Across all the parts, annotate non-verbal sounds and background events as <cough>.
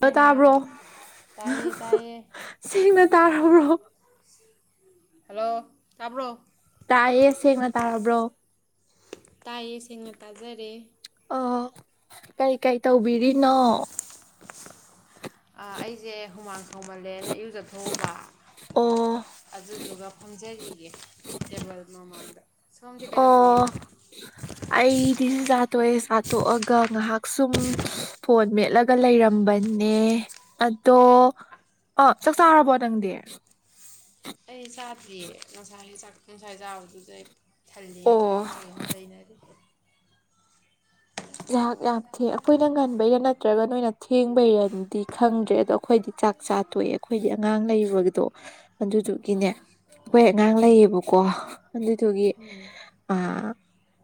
hello ꯍꯩꯍꯥ ꯇꯥꯕ꯭ꯔꯣ ꯇꯥꯏꯌꯦ ꯑꯍ ꯍ ꯇꯥꯏꯌꯦ ꯁꯦꯡꯅ ꯇꯥꯔꯕ꯭ꯔꯣ ꯍꯜꯂꯣ ꯇꯥꯕ꯭ꯔꯣ ꯇꯥꯏꯌꯦ ꯁꯦꯡꯅ ꯇꯥꯔꯕ꯭ꯔꯣ ꯇꯥꯏꯌꯦ ꯁꯦꯡꯅ ꯇꯥꯖꯔꯦ ꯑꯣ ꯀꯔꯤ ꯀꯔꯤ ꯇꯧꯕꯤꯔꯤꯅꯣ ꯑ ꯑꯩꯖꯦ ꯍꯨꯃꯥꯡ ꯊꯧꯃꯜꯂꯦꯅ ꯏꯌꯨꯖꯊꯣꯛꯎꯕ ꯑꯣ ꯑꯗꯨꯗꯨꯒ ꯐꯝꯖꯔꯤꯒꯦ ꯇꯦꯕꯜ ꯃꯃꯥꯡꯗ ꯁꯣꯝꯗꯤ ꯑꯣ ꯀꯩꯗꯧꯕꯤꯔꯤꯅꯣ ꯑꯩꯗꯤ ꯆ ꯆꯥ ꯇꯣꯛꯑꯦ ꯆꯥ ꯇꯣꯛꯑꯒ ꯉꯏꯍꯥꯛ ꯁꯨꯝ ꯐꯣꯟ ꯃꯦꯠꯂꯒ ꯂꯩꯔꯝꯕꯅꯦ ꯑꯗꯣ ꯑꯥ ꯆꯥꯛ ꯆꯥꯔꯕꯣ ꯅꯪꯗꯤ ꯑꯩ ꯆꯥꯗ꯭ꯔꯤꯌꯦ ꯉꯁꯥꯏꯒꯤ ꯆꯥꯛ ꯉꯁꯥꯏ ꯆꯥꯕꯗꯨꯗꯩ ꯊꯜꯂꯦꯅ ꯑꯣ ꯆꯥꯅꯤꯡꯗ꯭ꯔꯤꯅ ꯂꯩꯅꯔꯤ ꯇ꯭ꯔꯤꯍꯥꯛ ꯌꯥꯝ ꯊꯦꯡ ꯑꯈꯣꯏꯅ ꯉꯟꯕꯩꯔꯥ ꯅꯠꯇ꯭ꯔꯒ ꯅꯣꯏꯅ ꯊꯦꯡꯕꯩꯔ ꯗꯤ ꯈꯪꯗ꯭ꯔꯦ ꯑꯗꯣ ꯑꯩꯈꯣꯏꯗꯤ ꯆꯥꯛ ꯆꯥ ꯇꯣꯛꯑꯦ ꯑꯩꯈꯣꯏꯗꯤ ꯑꯉꯥꯡ ꯂꯩꯔꯗꯣ ꯑꯗꯨꯗꯨ ꯒꯤꯅꯦ ꯑꯩꯈꯣꯏ ꯑꯉꯥꯡ ꯎꯝ ꯂꯩꯌꯦꯕꯀꯣ ꯑꯗꯨꯗꯨꯒꯤ ꯑꯥ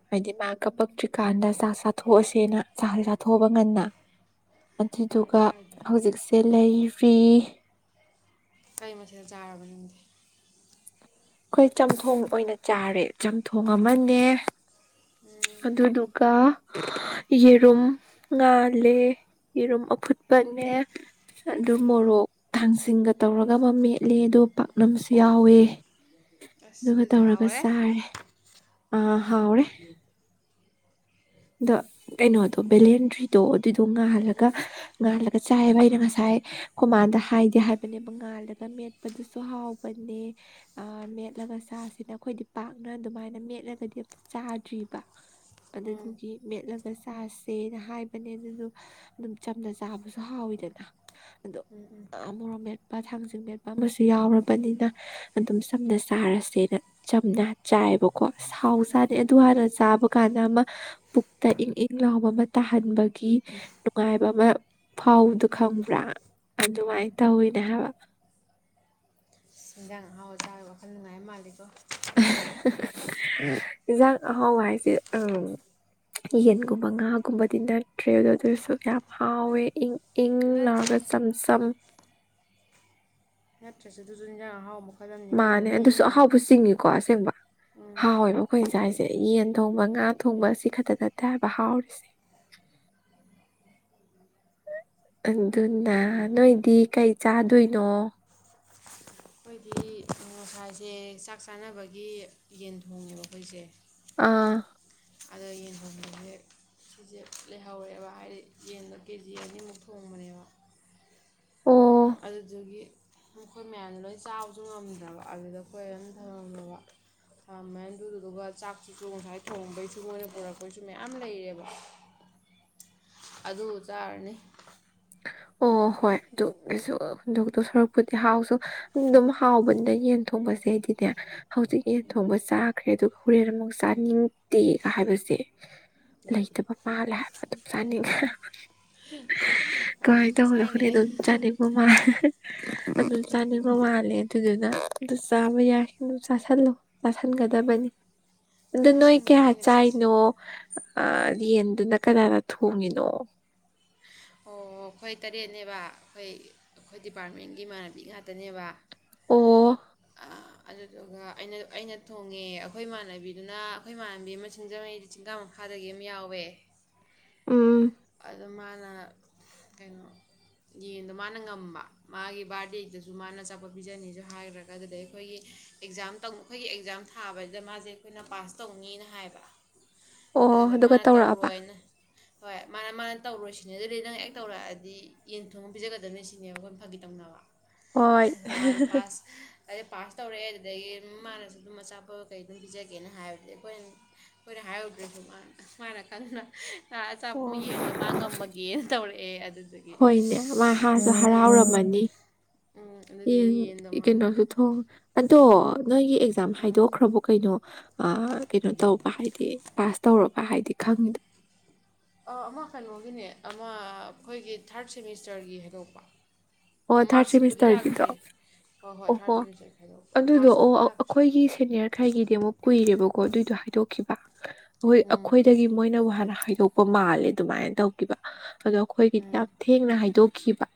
ꯍꯥꯏꯗꯤ ꯃꯥ ꯀꯞꯄꯛꯇ꯭ꯔꯤꯀꯥꯥꯟꯗ ꯆꯥꯛ-ꯆꯥ ꯆꯥꯊꯣꯛꯑꯁꯦꯅ ꯆꯥ- ꯆꯥꯊꯣꯛꯑꯕ ꯉꯟꯅ ꯍꯣꯏ ꯑꯗꯨꯗꯨꯒ ꯀꯥꯏꯗꯦ ꯍꯧꯖꯤꯛꯁꯦ ꯂꯩꯔꯤ ꯀꯩ ꯃꯊꯦꯟ ꯆꯥꯔꯕ ꯅꯪꯗꯤ ꯑꯩꯈꯣꯏ ꯆꯝꯊꯣꯡ ꯑꯣꯏꯅ ꯆꯥꯔꯦ ꯆꯝꯊꯣꯡ ꯑꯃꯅꯦ ꯎꯝ ꯑꯗꯨꯗꯨꯒ ꯌꯦꯔꯨꯝ ꯉꯥꯜꯂꯦ ꯌꯦꯔꯨꯝ ꯑꯐꯨꯠꯄꯅꯦ ꯑꯗꯨ ꯃꯣꯔꯣꯛ ꯊꯥꯡꯁꯤꯡꯒ ꯇꯧꯔꯒ ꯑꯃ ꯃꯦꯠꯂꯦ ꯑꯗꯨ ꯄꯥꯛꯅꯝꯁꯨ ꯌꯥꯎꯋꯦ ꯑꯁ ꯑꯗꯨꯒ ꯑꯗꯨꯗꯤ ꯇꯧꯔꯒ ꯍꯥꯎꯔꯦ ꯆꯥꯔꯦ ꯑꯥ ꯍꯥꯎꯔꯦ ꯗ ꯀꯩꯅꯣꯗꯣ ꯕꯦꯂꯦꯟꯗ꯭ꯔꯤꯗꯣ ꯑꯗꯨꯗꯣ ꯉꯥꯜꯂꯒ-ꯉꯥꯜꯂꯒ ꯆꯥꯏꯕ ꯑꯩꯅ ꯉꯁꯥꯏ ꯀꯣꯃꯥꯗ ꯍꯥꯏꯗꯤ ꯍꯥꯏꯕꯅꯦꯕ ꯉꯥꯜꯂꯒ ꯃꯦꯠꯄꯗꯨꯁꯨ ꯍꯥꯎꯕꯅꯦ ꯑꯥ ꯃꯦꯠꯂꯒ ꯆꯥꯁꯤꯅ ꯑꯩꯈꯣꯏꯗꯤ ꯄꯥꯛꯅ ꯑꯗꯨꯃꯥꯏꯅ ꯃꯦꯠꯂꯒꯗꯤ ꯑꯝꯇ ꯆꯥꯗ꯭ꯔꯤꯕ ꯑꯗꯨ ꯎꯝ ꯃꯦꯠꯂꯒ ꯆꯁꯦꯅ ꯍꯥꯏꯕꯅꯦ ꯑꯗꯨꯗꯣ ꯑꯗꯨꯝ ꯆꯝꯅ ꯆꯥꯕꯁꯨ ꯍꯥꯎꯋꯤꯗꯅ ꯑꯗꯨ ꯃꯣꯔꯣꯛ ꯃꯦꯠꯄ ꯊꯥꯡꯖꯤꯡ ꯃꯦꯠꯄ ꯑꯃꯁꯨ ꯌꯥꯎꯔꯕꯅꯤꯅ ꯑꯗꯨꯝ ꯆꯝꯅ ꯆꯥꯔꯁꯦꯅ ꯆꯝꯅ ꯆꯥꯏꯑꯦꯕꯀꯣ ꯁꯥꯎꯖꯨ ꯆꯥꯗꯦ ꯑꯗꯨ ꯍꯥꯟꯅ ꯆꯥꯕ ꯀꯥꯟꯅꯃ ꯄꯨꯛꯇ ꯏꯪ-ꯏꯪ ꯂꯥꯎꯕ ꯑꯃ ꯇꯥꯍꯟꯕ ꯒꯤ ꯅꯨꯡꯉꯥꯏꯕ ꯑꯃ ꯐꯥꯎꯕꯗꯨ ꯈꯪꯕ꯭ꯔꯥ ꯑꯗꯨꯃꯥꯏ ꯎꯝ ꯇꯧꯏꯋꯤꯅꯦ ꯍꯥꯏꯕ ꯏꯦꯟꯖꯥꯡ ꯑꯍꯥꯎꯕ ꯆꯥꯔꯨꯔꯗꯨ ꯅꯨꯡꯉꯥꯏ ꯃꯥꯟꯂꯤꯀꯣ ꯑꯍꯥ-ꯍꯥꯍ ꯏꯟꯖꯥꯡ ꯑꯍꯥꯎꯕ ꯍꯥꯏꯖꯦ ꯌꯦꯟꯒꯨꯝꯕ ꯉꯥꯒꯨꯝꯕꯗꯤ ꯅꯠꯇ꯭ꯔꯦ ꯑꯗꯨꯗꯣ ꯑꯗꯨꯁꯨ ꯌꯥꯝ ꯅꯠ ꯍꯥꯎꯋꯦ ꯏꯪ ꯂꯥꯎꯔꯒ ꯅꯠꯇ꯭ꯔꯁꯨ ꯆꯝ-ꯆꯝ ꯅꯠꯇ꯭ꯔꯖꯨ ꯑꯗꯨꯖꯨ ꯑꯦꯟꯖꯥꯡ ꯑꯍꯥꯎ ꯑꯃ ꯃꯥꯅꯦ ꯑꯗꯨꯁꯨ ꯑꯍꯥꯎꯕ ꯆꯤꯡꯉꯤꯀꯣ ꯑꯁꯦꯡꯕ ꯎꯝ ꯍꯥꯎꯋꯦꯕ ꯑꯩꯈꯣꯏꯅ ꯆꯥꯏꯖꯦ ꯌꯦꯟ ꯊꯣꯡꯕ ꯉꯥ ꯊꯣꯡꯕ ꯁꯤ ꯈꯛꯇ ꯅꯠꯇꯦ ꯍꯏꯕ ꯍꯥꯎꯔꯤꯖꯤ ꯑꯗꯨꯅ ꯅꯣꯏꯗꯤ ꯀꯩ ꯆꯥꯗꯣꯏꯅꯣ ꯑꯩꯈꯣꯏꯗꯤ ꯅꯤꯡꯃꯐꯏꯖꯦ ꯆꯥꯛ ꯆꯥꯅꯕꯒꯤ ꯌꯦꯟ ꯊꯣꯡꯉꯦꯕ ꯑꯩꯈꯣꯏꯁꯦ ꯑꯥ ꯑꯗꯣ ꯌꯦꯟ ꯊꯣꯡꯕꯖꯤ ꯂꯩꯍꯧꯋꯦꯕ ꯍꯥꯏꯗꯤ ꯌꯦꯟꯗꯣ ꯀꯦꯖꯤ ꯑꯅꯤꯃꯨꯛ ꯊꯣꯡꯕꯅꯦꯕ ꯑꯣ ꯑꯗꯨꯗꯨꯒꯤ ꯑꯩꯈꯣꯏ ꯃꯌꯥꯝꯅ ꯂꯣꯏ ꯆꯥꯕꯁꯨ ꯉꯝꯗ꯭ꯔꯕ ꯑꯗꯨꯗ ꯑꯩꯈꯣꯏ ꯑꯗꯨꯝ ꯊꯉꯝꯃꯕ ꯊꯝꯃ ꯑꯗꯨꯗꯨꯒ ꯆꯥꯛꯇꯨꯁꯨ ꯉꯁꯥꯏ ꯊꯣꯡꯕꯩꯁꯨ ꯃꯣꯏꯅ ꯄꯨꯔꯛꯄꯩꯁꯨ ꯃꯌꯥꯝ ꯂꯩꯔꯦꯕ ꯑꯗꯨ ꯆꯥꯔꯅꯤ ꯑꯣ ꯍꯣꯏ ꯑꯗꯨ ꯀꯩꯁꯨ ꯍꯨꯟꯗꯣꯛꯇꯣ ꯁꯨꯔꯛꯄꯨꯗꯤ ꯍꯥꯎꯁꯨ ꯑꯗꯨꯝ ꯍꯥꯎꯕꯅꯤꯅ ꯌꯦꯟ ꯊꯣꯡꯕꯁꯦ ꯑꯩꯗꯤꯅꯦ ꯍꯧꯖꯤꯛꯀꯤ ꯊꯣꯡꯕ ꯆꯥꯛ ꯀꯈ꯭ꯔꯦ ꯑꯗꯨꯒ ꯍꯣꯔꯦꯟ ꯑꯃꯨꯛ ꯆꯥꯅꯤꯡꯗꯦꯒ ꯍꯥꯏꯕꯁꯦ ꯂꯩꯇꯦ ꯂꯩꯇꯕ ꯃꯥꯜꯂꯦ ꯍꯥꯏꯕ ꯑꯗꯨꯝ ꯆꯥꯅꯤꯡꯉꯦ <inaudible> <unintelligible> ꯀꯥꯏ ꯇ ꯃꯁꯥꯏꯅꯦ ꯍꯔꯈꯅ ꯑꯗꯨ ꯆꯅꯤꯒ ꯃꯥꯥꯏ ꯑꯗꯨ ꯆꯅꯤꯒ ꯃꯥꯂꯦ ꯑꯗꯨ ꯑꯗꯨ ꯆꯥꯕ ꯌꯥꯈꯤ ꯑꯗꯨ ꯆꯥꯁꯤꯜꯂꯨ ꯆꯥꯥꯁꯟꯒꯗꯕꯅꯤ ꯑꯗꯨ ꯅꯣꯏ ꯆꯥꯁꯤꯟꯒꯅꯤ ꯀꯌꯥ ꯑꯩꯅ ꯆꯥꯏꯅꯣ ꯆꯥꯁꯤꯟꯒꯅꯤ ꯑ ꯌꯦꯟꯗꯨꯅ ꯀꯅꯥꯅ ꯊꯣꯡꯉꯤꯅꯣ ꯑꯣ ꯑꯩꯈꯣꯏ ꯇꯔꯦꯠꯅꯦꯕ ꯑꯩꯈꯣꯏ ꯑꯩꯈꯣꯏ ꯗꯤꯄꯥꯔꯠꯃꯦꯟꯒꯤ ꯏꯃꯥꯟꯅꯕꯤ ꯉꯥꯛꯇꯅꯦꯕ ꯑꯣ ꯑꯗꯨꯗꯨꯒ ꯑꯩꯅ ꯑꯩꯅ ꯊꯣꯡꯉꯦ ꯑꯩꯈꯣꯏ ꯏꯃꯥꯟꯅꯕꯤꯗꯨꯅ ꯑꯩꯈꯣꯏ ꯏꯃꯥꯟꯅꯕꯤ ꯑꯃ ꯁꯤꯡꯖꯃꯩꯗꯤ ꯆꯤꯡꯒꯥꯥ ꯃꯈꯥꯗꯒꯤ ꯑꯃ ꯌꯥꯎꯋꯦ ꯎꯝ ꯑꯗꯣ ꯃꯥꯅ ꯀꯩꯅꯣ ꯌꯦꯟꯗꯣ ꯃꯥꯅ ꯉꯝꯕ ꯃꯥꯒꯤ ꯕꯥꯔꯗꯦꯗꯨꯗꯁꯨ ꯃꯥꯅ ꯆꯥꯎꯈꯠꯄꯤꯤꯖꯅꯤꯁꯨ ꯍꯥꯏꯈ꯭ꯔꯒ ꯑꯗꯨꯗꯩ ꯑꯩꯈꯣꯏꯒꯤ ꯑꯦꯛꯖꯥꯝ ꯇꯧ ꯑꯩꯈꯣꯏꯒꯤ ꯑꯦꯛꯖꯥꯝ ꯊꯥꯕꯁꯤꯗ ꯃꯥꯁꯦ ꯑꯩꯈꯣꯏꯅ ꯄꯥꯁ ꯇꯧꯅꯤꯅ ꯍꯥꯏꯕ ꯑꯣ ꯑꯗꯨꯗ ꯑꯗꯨꯒ ꯃꯥꯅ ꯇꯧꯔꯛꯑꯕ ꯇꯧꯔꯣꯏꯅ ꯍꯣꯏ ꯃꯥꯅ ꯃꯥꯅ ꯇꯧꯔꯨꯁꯤꯅꯦ ꯑꯗꯨ ꯑꯗꯩ ꯅꯪ ꯑꯦꯦꯛ ꯇꯧꯔꯛꯑꯗꯤ ꯌꯦꯟ ꯊꯣꯡꯕ ꯄꯤꯖꯒꯗꯕꯅꯤ ꯁꯤꯅꯦꯕ ꯑꯩꯈꯣꯏꯅ ꯐꯥꯒꯤ ꯇꯧꯅꯕ ꯍꯣꯏ ꯑꯗꯨꯗ ꯃꯥꯁꯦ ꯄꯥꯁ ꯑꯗꯩ ꯄꯥꯁ ꯇꯧꯔꯛꯑꯦ ꯑꯗꯨꯗꯒꯤ ꯃꯥꯅꯁꯨ ꯑꯗꯨꯝ ꯑꯆꯥ ꯑꯄꯣꯠ ꯀꯩ ꯑꯗꯨꯝ ꯄꯤꯖꯒꯦꯅ ꯍꯥꯏꯕꯗꯤ ꯑꯩꯈꯣꯏꯅ ꯑꯩꯈꯣꯏꯅ ꯍꯥꯏꯔꯨꯗ꯭ꯔꯁꯨ ꯃꯥꯅ ꯃꯥꯅ ꯈꯟꯗꯅ ꯑꯆꯥꯄ ꯑꯣ ꯌꯦꯟꯗ ꯃꯥꯡꯉꯝꯃꯒ ꯑꯦ ꯑꯗꯨ ꯍꯣꯏꯅꯦ ꯃꯥ ꯍꯥꯁꯨ ꯍꯔꯥꯎꯔꯝꯃꯅꯤ ꯎꯝ ꯌꯦꯟ ꯑꯗꯨꯗꯒꯤ ꯌꯦꯟꯗꯣ ꯃꯥꯅ ꯀꯩꯅꯣꯁꯨ ꯊꯣꯡ ꯑꯗꯣ ꯅꯣꯏꯒꯤ ꯍꯥꯏꯗꯣꯛꯈ꯭ꯔꯕ ꯀꯩꯅꯣ ꯀꯩꯅꯣ ꯇꯧꯕ ꯍꯥꯏꯗꯤ ꯄꯥꯁ ꯇꯧꯔꯕ ꯍꯥꯏꯗꯤ ꯈꯪꯉꯤꯗꯣ ꯑꯃ ꯀꯩꯅꯣꯒꯤꯅꯦ ꯑꯃ ꯑꯩꯈꯣꯏꯒꯤ ꯊꯥꯔꯠ ꯁꯦꯃꯤꯁꯇꯔꯒꯤ ꯍꯥꯏꯗꯣꯛꯄ ꯑꯣ ꯊꯥꯔꯠ ꯃꯥꯔꯛꯁꯤꯠꯄꯨꯗꯤ ꯁꯦꯃꯤꯁꯇꯔꯒꯤꯗꯣ ꯂꯥꯛꯇ꯭ꯔꯤ ꯍꯣꯏ ꯍꯣꯏ ꯊꯥꯔꯠ ꯑꯣꯍꯣ ꯁꯦꯃꯤꯁꯇꯔ ꯈꯥꯏꯗꯣꯛꯄ ꯑꯗꯨꯗꯣ ꯑꯣ ꯃꯥꯔꯛꯁꯤꯠꯄꯨꯗꯤ ꯂꯥꯛꯇ꯭ꯔꯤ ꯑꯩꯈꯣꯏꯒꯤ ꯁꯦꯅꯤꯌꯔ ꯈꯩꯒꯤꯗꯤ ꯑꯃꯨꯛ ꯀꯨꯏꯔꯦꯕꯀꯣ ꯑꯗꯨꯏꯗꯣ ꯍꯥꯏꯗꯣꯛꯈꯤꯕ ꯍꯣꯏ ꯎꯝ ꯑꯩꯈꯣꯏꯗꯒꯤ ꯃꯣꯏꯅꯕꯨ ꯍꯥꯟꯅ ꯍꯥꯏ ꯌꯣꯛꯄ ꯃꯥꯜꯂꯦ ꯑꯗꯨꯃꯥꯏꯅ ꯇꯧꯈꯤꯕ ꯑꯗꯣ ꯑꯩꯈꯣꯏꯒꯤꯗꯤ ꯎꯝ ꯌꯥꯝ ꯊꯦꯡꯅ ꯍꯥꯏꯗꯣꯛ ꯈꯤꯕ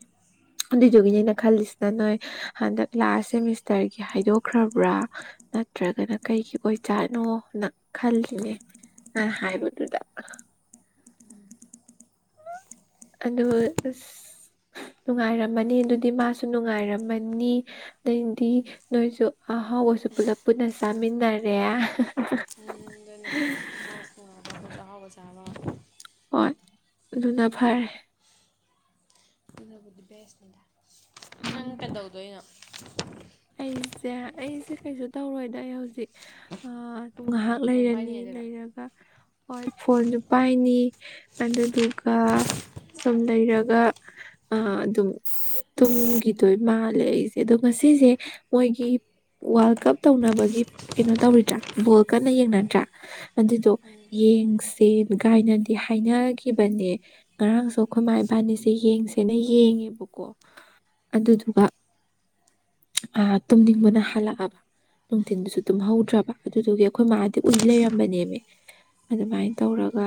ꯑꯗꯨ ꯎꯝ ꯑꯗꯨꯖꯣꯒꯅꯤꯅ ꯈꯜ ꯂꯤꯁꯅ ꯅꯣꯏ ꯍꯟꯗꯛ ꯂꯥꯁ ꯁꯦꯃꯤꯁꯇꯔꯒꯤ ꯍꯥꯏꯗꯣꯛꯈ꯭ꯔꯕ꯭ꯔꯥ ꯅꯠꯇ꯭ꯔꯒꯅ ꯀꯩꯒꯤ ꯑꯣꯏꯖꯥꯠꯅꯣꯅ ꯈꯜꯂꯤꯅꯦ ꯅꯅ ꯍꯥꯏꯕꯗꯨꯗ ꯑꯗꯨ ꯑꯁ ꯅꯨꯡꯉꯥꯏꯔꯝꯃꯅꯤ ꯑꯗꯨꯗꯤ ꯃꯥꯁꯨ ꯅꯨꯡꯉꯥꯏꯔꯝꯃꯅꯤ ꯑꯗꯩꯗꯤ ꯅꯣꯏꯁꯨ ꯑꯍꯥꯎꯈꯣꯏꯁꯨ ꯄꯨꯂꯞ ꯄꯨꯟꯅ ꯆꯥꯃꯤꯟꯅꯔꯦ ꯃꯥꯁꯨ ꯆ ꯑꯥꯎꯕꯁꯕ ꯍꯣꯏ ꯑꯗꯨꯅ ꯐꯔꯦ ꯑꯗꯨꯕꯨꯗꯤ ꯕꯦꯁꯅꯤꯗ ꯅꯪ ꯎꯝ ꯀꯩꯗꯧꯗꯣꯏꯅꯣ <unintelligible> ꯑꯩꯁꯦ ꯑꯩꯁꯦ ꯀꯩꯁꯨ ꯇꯧꯔꯣꯏꯗ ꯑꯩ ꯍꯧꯖꯤꯛ ꯑꯗꯨꯝ ꯐꯣꯟ ꯉꯥꯏꯍꯥꯛ ꯐꯣꯟ ꯂꯩꯔꯅꯤ ꯄꯥꯏꯅꯤꯗꯨꯔꯣ ꯂꯩꯔꯒ ꯍꯣꯏ ꯐꯣꯟꯁꯨ ꯄꯥꯏꯅꯤ ꯑꯗꯨꯗꯨꯒ ꯁꯨꯝ ꯂꯩꯔꯒ ꯑꯗꯨꯒ ꯑ ꯑꯗꯨꯝ ꯇꯨꯝꯒꯤꯗꯣꯏ ꯃꯥꯜꯂꯦ ꯑꯩꯁꯦ ꯑꯗꯨꯒꯣ ꯉꯁꯤꯁꯦ ꯃꯣꯏꯒꯤ ꯋꯥꯔꯜ ꯀꯞ ꯇꯧꯅꯕꯒꯤ ꯀꯩꯅꯣ ꯇꯧꯔꯤꯗ꯭ꯔꯥ ꯕꯣꯜ ꯀꯟꯅ ꯌꯦꯡꯅꯗ꯭ꯔꯥ ꯑꯗꯨꯗꯣ ꯌꯦꯡꯁꯦ ꯒꯥꯏꯅꯗꯤ ꯍꯥꯏꯅꯈꯤꯕꯅꯦ ꯉꯔꯥꯡꯁꯨ ꯑꯩꯈꯣꯏ ꯏꯃꯥ ꯏꯕꯥꯅꯤꯁꯦ ꯌꯦꯡꯁꯦꯅ ꯌꯦꯡꯉꯦꯕꯀꯣ ꯑꯗꯨꯗꯨꯒ ꯑ ꯇꯨꯝꯅꯤꯡꯕꯅ ꯍꯜꯂꯛꯑꯕ ꯅꯨꯡꯊꯤꯟꯗꯨꯁꯨ ꯑꯗꯨꯝ ꯍꯧꯗ꯭ꯔꯕ ꯑꯗꯨꯗꯨꯒꯤ ꯑꯩꯈꯣꯏ ꯃꯥꯗꯤ ꯎꯏ ꯂꯩꯔꯝꯕꯅꯦꯕ ꯑꯗꯨꯃꯥꯏꯅ ꯇꯧꯔꯒ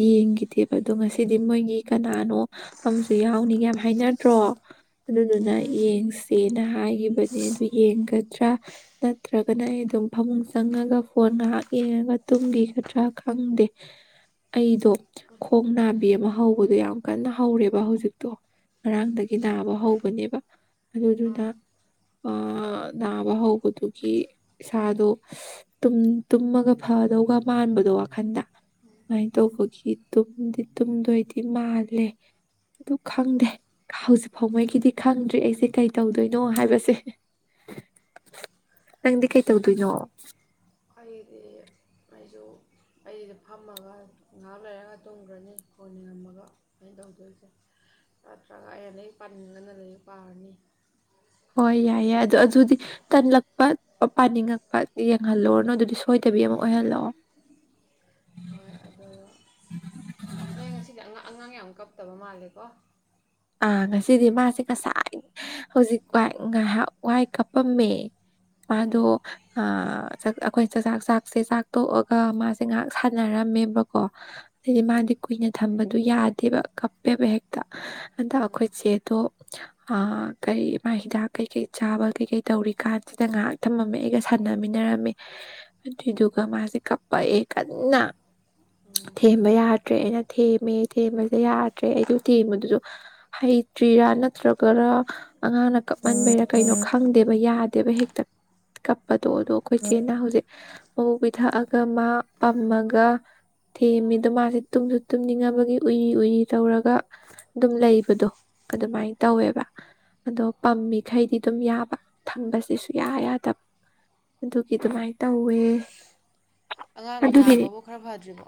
ꯌꯦꯡꯈꯤꯗꯦꯕ ꯑꯗꯣ ꯉꯁꯤꯗꯤ ꯃꯣꯏꯒꯤ ꯀꯅꯥꯅꯣ ꯑꯃꯁꯨ ꯌꯥꯎꯅꯤꯒ ꯌꯥꯝ ꯍꯥꯏꯅꯗ꯭ꯔꯣ ꯑꯗꯨꯗꯨꯅ ꯎꯝ ꯌꯦꯡꯁꯤ ꯅꯍꯒꯤ ꯅꯦ ꯑꯗꯨ ꯌꯦꯡꯒꯗ꯭ꯔꯥ ꯅꯠꯇ꯭ꯔꯒꯅ ꯑꯩ ꯑꯗꯨꯝ ꯐꯃꯨꯡ ꯆꯪꯉꯒ ꯐꯣꯟ ꯉꯥꯏꯍꯥꯛ ꯌꯦꯡꯉꯒ ꯇꯨꯝꯈꯤꯒꯗ꯭ꯔꯥ ꯈꯪꯗꯦ ꯑꯩꯗꯣ ꯈꯣꯡ ꯅꯥꯕꯤ ꯑꯃ ꯍꯧꯕꯗꯣ ꯌꯥꯝ ꯀꯟꯅ ꯍꯧꯔꯦꯕ ꯍꯧꯖꯤꯛꯇꯣ ꯉꯔꯥꯡꯗꯒꯤ ꯅꯥꯕ ꯍꯧꯕꯅꯦꯕ ꯑꯗꯨꯗꯨꯗ ꯑꯥ ꯅꯥꯕ ꯍꯧꯕꯗꯨꯒꯤ ꯏꯁꯥꯗꯣ ꯇꯨꯝꯃꯒ ꯐꯗꯧꯕꯒ ꯃꯥꯟꯕꯗꯣ ꯋꯥꯈꯟꯗ ꯁꯃꯥꯏꯅ ꯇꯧꯕꯒꯤ ꯇꯗꯤ ꯇꯨꯝꯗꯣꯏꯗꯤ ꯃꯥꯜꯂꯦ ꯑꯗꯨ ꯈꯪꯗꯦ ꯍꯧꯖꯤꯛ ꯐꯥꯎꯉꯩꯒꯤꯗꯤ ꯈꯪꯗ꯭ꯔꯤ ꯑꯩꯁꯦ ꯀꯩ ꯇꯧꯗꯣꯏꯅꯣ ꯍꯥꯏꯕꯁꯦ ꯅꯪꯗꯤ ꯀꯩ ꯇꯧꯗꯣꯏꯅꯣ ꯑꯩꯗꯤ ꯑꯩꯁꯨ ꯑꯩꯒꯤꯗ ꯐꯝꯃꯒ ꯉꯍꯥꯛ ꯂꯩꯔꯒ ꯇꯨꯝꯈ꯭ꯔꯅꯤ ꯍꯣꯟ ꯌꯦꯉꯝꯃꯒ ꯑꯩꯅ ꯇꯧꯗꯣꯏꯁꯦ ꯅꯠꯇ꯭ꯔꯒ ꯑꯩꯅꯗꯗꯒꯤ ꯄꯥꯅꯤꯡꯗꯅ ꯂ ꯄꯥꯔꯅꯤ ꯍꯣꯏ ꯌꯥꯏ ꯑꯗꯨ ꯌꯥꯏ ꯑ ꯑꯗꯨꯗꯤ ꯇꯟ ꯠ ꯄꯥꯅꯤꯡꯉꯛꯄ ꯌꯦꯡꯍꯜꯂꯨꯔꯅꯨ ꯑꯗꯨꯗꯤ ꯁꯣꯏꯗꯕꯤ ꯑꯃ ꯑꯣꯏꯍꯜꯂꯛꯑꯣ ꯍꯣꯏ ꯑꯗꯨ ꯅꯣꯏ ꯉꯁꯤꯗꯤꯥꯡ ꯑꯉꯥꯡ ꯌꯥꯝ ꯀꯞꯇꯕ ꯃꯥꯜꯂꯦꯀꯣ ꯑ ꯉꯁꯤꯗꯤ ꯃꯥꯁꯦ ꯉꯁꯥꯏ ꯍꯧꯖꯤꯛ ꯉꯥꯏꯍꯥꯛ ꯋꯥꯏ ꯀꯥꯞꯄꯝꯃꯦ ꯑꯣ ꯎꯝ ꯑ ꯑꯩꯈꯣꯏ ꯆꯥꯛꯖꯥꯛ ꯆꯥꯛꯁꯦ ꯆꯥꯛꯇꯣꯛꯑꯒ ꯃꯥꯁꯦ ꯉꯥꯏꯍꯥꯛ ꯁꯥꯟꯅꯔꯝꯃꯦꯕꯀꯣ ꯑꯗꯤ ꯎꯝ ꯃꯥꯗꯤ ꯀꯨꯏꯅ ꯊꯝꯕꯗꯨ ꯌꯥꯗꯦ ꯕ ꯀꯞꯄꯦꯕ ꯍꯦꯛꯇ ꯑꯟꯗ ꯎꯝ ꯑꯩꯈꯣꯏ ꯆꯦꯗꯣ ꯀꯩ ꯃꯥ ꯍꯤꯗꯥꯛ ꯀꯩꯀꯩ ꯆꯥꯕ ꯀꯩꯀꯩ ꯇꯧꯔꯤ ꯀꯥꯟꯁꯤꯗ ꯉꯥꯏꯍꯥꯛ ꯊꯝꯃꯝꯃꯦ ꯑꯩꯒ ꯁꯥꯟꯅꯃꯤꯟꯅꯔꯝꯃꯤ ꯑꯗꯨ ꯎꯝ ꯑꯗꯨꯒꯒꯥ ꯃꯥꯁꯦ ꯀꯞ ꯄꯛꯑꯦ ꯀꯟꯅ ꯎꯝ ꯊꯦꯝꯕ ꯌꯥꯗ꯭ꯔꯦ ꯑꯩꯅ ꯊꯦꯝꯃꯦ ꯊꯦꯝꯕꯁꯦ ꯌꯥꯗ꯭ꯔꯦ ꯑꯩꯗ ꯊꯦꯝꯕꯗꯨꯁꯨ ꯍꯩꯇ꯭ꯔꯤꯔꯥ ꯅꯠꯇ꯭ꯔꯒ ꯑꯉꯥꯡꯅ ꯀꯞꯃꯟꯕꯩꯔꯥ ꯀꯩꯅꯣ ꯈꯪꯗꯦꯕ ꯌꯥꯗ ꯀ ꯍꯦꯛꯛꯇ ꯀꯞꯄꯗꯣ ꯎꯝ ꯑꯗꯣ ꯑꯩꯈꯣꯏ ꯏꯆꯦꯅꯥ ꯍꯧꯖꯤꯛ ꯃꯛ ꯄꯤꯊꯛꯑꯒ ꯃꯥ ꯄꯝꯃꯒ ꯊꯦꯝꯃꯤꯗ ꯃꯥꯁꯦ ꯇꯨꯝꯁꯨ ꯇꯨꯝꯅꯤꯡꯉꯕꯒꯤ ꯎꯏ ꯎꯏꯔꯤ ꯇꯧꯔꯒ ꯑꯗꯨꯝ ꯂꯩꯕꯗꯣ ꯑꯗꯨꯃꯥꯏꯅ ꯎꯝ ꯇꯧꯋꯦꯕ ꯑꯗꯣ ꯄꯝꯃꯤꯈꯩꯗꯤ ꯑꯗꯨꯝ ꯌꯥꯕ ꯊꯪꯕꯁꯤ ꯁꯌꯥ ꯌꯥꯗꯕ ꯑꯗꯨꯒꯤ ꯑꯗꯨꯃꯥꯏꯅ ꯇꯧꯋꯦ ꯑꯉꯥꯡꯅ ꯅꯥꯕꯕꯨ ꯈꯔ ꯐꯗ꯭ꯔꯤꯕꯣ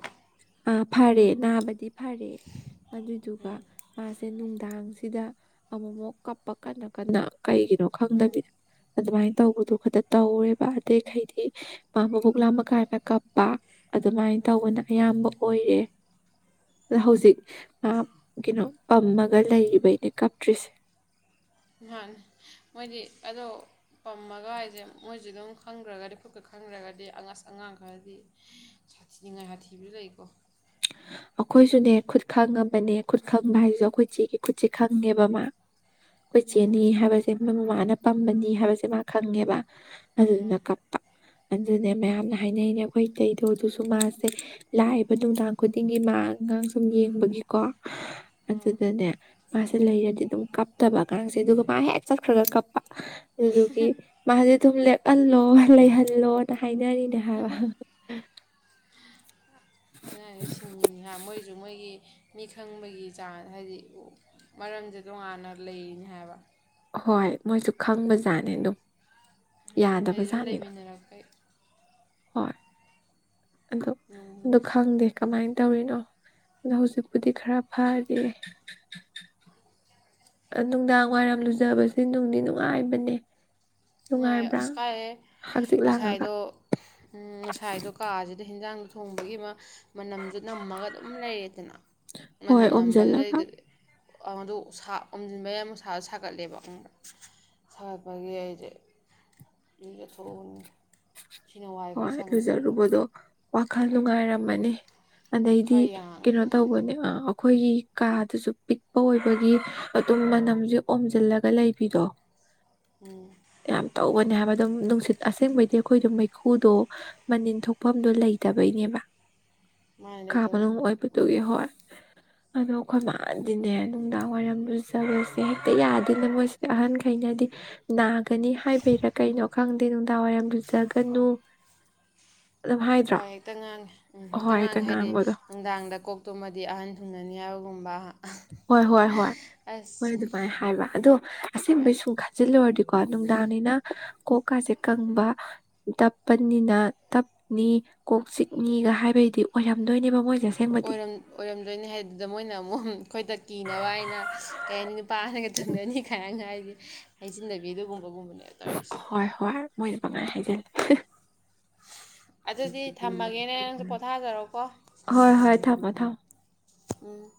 ꯑ ꯐꯔꯦ ꯅꯥꯕꯗꯤ ꯐꯔꯦ ꯑꯗꯨꯗꯨꯒ ꯎꯝ ꯅꯨꯡꯗꯥꯡꯁꯤꯗ ꯑꯃꯃꯨꯛ ꯀꯞꯄ ꯀꯟꯅ ꯀꯟꯅ ꯀꯩꯒꯤꯅꯣ ꯎꯝ ꯈꯪꯗꯕꯤꯗ ꯑꯗꯨꯃꯥꯏꯅ ꯇꯧꯕꯗꯨ ꯈꯛꯇ ꯇꯧꯔꯦꯕ ꯑꯇꯩꯈꯩꯗꯤ ꯃꯥ ꯃꯕꯨꯛ ꯂꯥꯃꯀꯥꯟꯗ ꯀꯞꯄ ꯑꯗꯨꯃꯥꯏꯅ ꯎꯝ ꯇꯧꯕꯅ ꯑꯌꯥꯝꯕ ꯑꯣꯏꯔꯦ ꯑꯗ ꯍꯧꯖꯤꯛ ꯃꯥ ꯀꯩꯅꯣ ꯄꯝꯃꯒ ꯂꯩꯔꯤꯕꯩꯅꯦ ꯀꯞꯇ꯭ꯔꯤꯁꯦ ꯅꯍꯥꯟ ꯃꯣꯏꯗꯤ ꯑꯗꯣ ꯄꯝꯃꯒ ꯍꯥꯏꯁꯦ ꯃꯣꯏꯁꯨ ꯑꯗꯨꯝ ꯈꯪꯈ꯭ꯔꯒꯗꯤ ꯈꯨꯠꯀ ꯈꯪꯈ꯭ꯔꯒꯗꯤ ꯑꯉꯁ ꯑꯉꯥꯡ ꯈꯔꯗꯤ ꯁꯥꯊꯤꯅꯤꯡꯉꯥꯏ ꯁꯥꯊꯤꯕꯁꯨ ꯂꯩꯀꯣ ꯑꯩꯈꯣꯏꯁꯨꯅꯦ ꯈꯨꯠ ꯈꯪꯉꯕꯅꯦ ꯈꯨꯠ ꯈꯪꯕ ꯍꯥꯏꯁꯤꯁꯨ ꯑꯩꯈꯣꯏ ꯆꯦꯒꯤ ꯈꯨꯠꯁꯦ ꯈꯪꯉꯦꯕ ꯃꯥ ꯑꯩꯈꯣꯏ ꯎꯝ ꯆꯦꯅꯤ ꯍꯥꯏꯕꯁꯦ ꯃꯃꯥꯅ ꯄꯝꯕꯅꯤ ꯍꯥꯏꯕꯁꯦ ꯃꯥ ꯈꯪꯉꯦꯕ ꯑꯗꯨꯗꯨꯅ ꯎꯝ ꯀꯞꯄ ꯑꯗꯨꯅꯦ ꯃꯌꯥꯝꯅ ꯍꯥꯏꯅꯔꯤꯅꯦ ꯑꯩꯈꯣꯏ ꯇꯩꯗꯣꯗꯨꯁꯨ ꯃꯥꯁꯦ ꯂꯥꯛꯏꯕ ꯅꯨꯡꯗꯥꯡ ꯈꯨꯗꯤꯡꯒꯤ ꯃꯥ ꯑꯉꯥꯡ ꯁꯨꯝ ꯌꯦꯡꯕꯒꯤꯀꯣ ꯎꯝ ꯑꯗꯨꯗꯅꯦ ꯃꯥꯁꯦ ꯂꯩꯔꯗꯤ ꯑꯗꯨꯝ ꯀꯞꯇꯕ ꯑꯉꯥꯡꯁꯦ ꯑꯗꯨꯒ ꯃꯥ ꯍꯦꯛ ꯆꯠꯈ꯭ꯔꯒ ꯀꯞꯄ ꯑꯗꯨꯗꯨꯒꯤ ꯃꯥꯁꯦ ꯑꯗꯨꯝ ꯂꯦꯞꯍꯜꯂꯣ ꯂꯩꯍꯜꯂꯣꯅ ꯍꯥꯏꯅꯔꯤꯅꯦ ꯍꯥꯏꯕ ꯑꯉꯥꯡꯁꯦ ꯁꯤꯡꯉꯤꯅꯤ ꯍꯥꯏ ꯃꯣꯏꯁꯨ ꯃꯣꯏꯒꯤ ꯃꯤ ꯈꯪꯕꯒꯤ ꯆꯥꯟꯁ ꯍꯥꯏꯗꯤ ꯃꯔꯝꯁꯦ ꯇꯣꯉꯥꯟꯅ ꯂꯩꯔꯤꯅꯤ ꯍꯥꯏꯕ ꯍꯣꯏ ꯃꯣꯏꯁꯨ ꯈꯪꯕꯖꯥꯠꯅꯤ ꯑꯗꯨꯝ ꯑꯩ ꯑꯗꯨꯝ ꯌꯥꯗꯕꯖꯥꯠꯅꯤꯗ ꯂꯩꯃꯤꯟꯅꯔꯛꯄꯩ ꯍꯣꯏ ꯑ ꯑꯗꯨꯣ ꯅꯨꯡꯁꯦ ꯈꯪꯗꯦ ꯀꯃꯥꯏꯅ ꯇꯧꯔꯤꯅꯣ ꯑꯗꯣ ꯍꯧꯖꯤꯛꯄꯨꯗꯤ ꯈꯔ ꯐꯔꯤꯌꯦ ꯅꯨꯡꯗꯥꯡ ꯋꯥꯏꯔꯝ ꯂꯨꯖꯕꯁꯦ ꯅꯨꯡꯗꯤ ꯅꯨꯡꯉꯥꯏꯕꯅꯦ ꯥꯏ ꯅꯨꯡꯉꯥꯏꯕ꯭ꯔꯥ ꯑꯁ ꯀꯥꯏꯑꯦ ꯍꯛꯆꯤꯛ ꯂꯥꯡꯉꯒ ꯉꯁꯥꯏꯗꯣ ꯉꯁꯥꯏꯗꯣ ꯀꯥꯁꯤꯗ ꯍꯤꯟꯖꯥꯡ ꯊꯣꯡꯕꯒꯤ ꯑꯃ ꯃꯅꯝꯁꯨ ꯅꯝꯃꯒ ꯑꯗꯨꯝ ꯂꯩꯌꯦꯗꯅ ꯍꯣꯏ ꯃꯅꯝ ꯑꯣꯝꯁꯤꯜꯂꯒ ꯅꯝꯕꯗꯨꯗꯩꯗꯨꯗꯤ ꯑꯗꯨ ꯑꯃꯝꯖꯤꯟꯕꯌꯥꯝ ꯑꯃꯛ ꯁꯥ ꯁꯥꯒꯠꯂꯦꯕ ꯁꯥꯒꯠꯄꯒꯤ ꯑꯩꯁꯦ ꯌꯦ ꯑꯊ <unintelligible> ꯍꯣꯏꯖꯔꯨꯕꯗꯣ ꯋꯥꯈꯜ ꯅꯨꯡꯉꯥꯏꯔꯝꯃꯅꯤ ꯑꯗꯩꯗꯤ ꯈꯔ ꯌꯥꯡꯉꯦ ꯀꯩꯅꯣ ꯇꯧꯕꯅꯦ ꯑꯩꯈꯣꯏꯒꯤ ꯀꯥꯗꯨꯁꯨ ꯄꯤꯛꯄ ꯑꯣꯏꯕꯒꯤ ꯑꯗꯨꯝ ꯃꯅꯝꯁꯦ ꯑꯣꯝꯁꯤꯜꯂꯒ ꯂꯩꯕꯤꯗꯣ ꯎꯝ <unintelligible> ꯗꯨꯝ ꯅꯨꯡꯁꯤꯠ ꯑꯁꯦꯡꯕꯩꯗꯤ ꯑꯩꯈꯣꯏ ꯑꯗꯨꯝ ꯃꯩ ꯈꯨꯨꯗꯣ ꯃꯅꯤꯟ ꯊꯣꯛꯐꯝꯗꯨꯣ ꯂꯩꯇꯕꯩꯅꯦꯕ ꯃꯥꯏ ꯀꯥ ꯃꯅꯨꯡ ꯂꯩꯇꯕꯩꯅꯦ ꯑꯣꯏꯕꯗꯨꯒꯤ ꯍꯣꯏ ꯑꯗꯣ ꯑꯩꯈꯣꯏ ꯃꯥꯗꯤꯅꯦ ꯅꯨꯡꯗꯥꯡ ꯋꯥꯏꯔꯝ ꯂꯨꯖꯕꯁꯦ ꯍꯦꯛꯇ ꯌꯥꯗꯦꯅ ꯃꯣꯏꯁꯤ ꯑꯍꯟꯈꯩꯅꯗꯤ ꯒꯅꯤ ꯍꯥꯏꯕꯩꯔꯥ ꯀꯩꯅꯣ ꯈꯪꯗꯦ ꯅꯨꯡꯗꯥꯡ ꯋꯥꯏꯔꯝ ꯂꯨꯖ ꯒꯅꯨ ꯍꯣꯏ ꯍꯦꯛꯇ ꯉꯥꯡꯉꯤ ꯎꯝ ꯍꯦꯛꯇ ꯉꯥꯡꯉꯤ ꯍꯥꯏꯗꯤ ꯅꯨꯡꯗꯥꯡꯗ ꯀꯣꯛꯇꯨꯃꯗꯤ ꯑꯍꯟ ꯊꯨꯡꯅꯅꯤ ꯍꯥꯏꯕꯒꯨꯝꯕ ꯍꯣꯏ ꯍꯣꯏ ꯍꯣꯏ ꯑꯁ ꯍꯣꯏ ꯑꯗꯨꯃꯥꯏꯅ ꯍꯥꯏꯕ ꯑꯗꯣ ꯑꯁꯦꯡꯕꯩ ꯁꯨꯝ ꯈꯥꯖꯤꯜꯂꯨꯔꯗꯤ ꯀꯣ ꯅꯨꯡꯗꯥꯡꯅꯤꯅ ꯀꯣꯛꯀꯥꯁꯦ ꯀꯪꯕ ꯇꯞꯄꯅꯤꯅ ꯇꯞꯅꯤ ꯀꯣꯛ ꯆꯤꯛꯅꯤꯒ ꯍꯥꯏꯕꯩꯗꯤ ꯑꯣꯏꯔꯝꯗꯣꯏꯅꯦꯕ ꯃꯣꯏ ꯑꯣꯏꯔꯝꯗꯣꯏꯅꯤ ꯍꯥꯏꯗꯨꯗ ꯃꯣꯏꯅ ꯑꯃꯨꯛ ꯑꯩꯈꯣꯏꯗ ꯀꯤꯅꯕ ꯍꯥꯏꯅ ꯀꯩ ꯍꯥꯏꯅꯤ ꯅꯨꯄꯥ ꯑꯍꯟꯒ ꯊꯨꯡꯅꯅꯤ ꯀ ꯍꯥꯏ ꯍꯥꯏꯖꯟꯅꯕꯤ ꯑꯗꯨꯒꯨꯝꯕ ꯇꯧꯔꯤꯁꯦ ꯍꯣꯏ ꯍꯣꯏ ꯃꯣꯏꯅ ꯄꯪ ꯍꯥꯏ ꯍꯥꯏꯖꯟ ꯑꯗꯨꯗꯤ ꯊꯝꯃꯒꯦꯅꯦ ꯅꯪꯁꯨ ꯄꯣꯊꯥꯖꯔꯣꯀꯣ ꯍꯣꯏ ꯍꯣꯏ ꯊꯝꯃꯣ ꯊꯝꯃꯣ ꯎꯝ